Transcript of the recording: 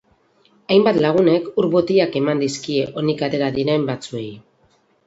Hainbat lagunek ur-botilak eman dizkie onik atera diren batzuei.